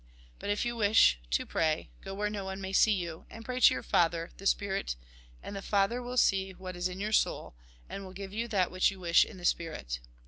But, if you wish to pray, go where no one may see yiiu, and pray to your Father, the Spirit, and the Father will see what is in your soul, and will give you that which you wish in the spirit.